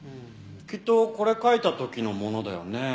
きっとこれ書いた時のものだよね。